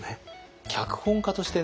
脚本家としてね